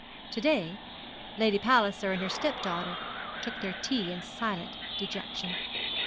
To day Lady Palliser and her step daughter took their tea in silent dejection.